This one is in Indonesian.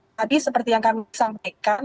tadi seperti yang kami sampaikan